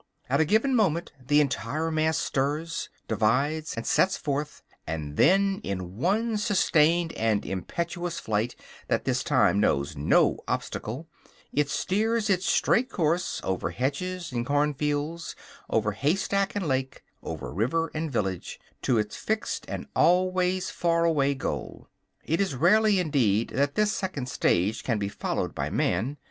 At a given moment the entire mass stirs, divides and sets forth; and then, in one sustained and impetuous flight that this time knows no obstacle, it steers its straight course, over hedges and cornfields, over haystack and lake, over river and village, to its fixed and always far away goal. It is rarely indeed that this second stage can be followed by man.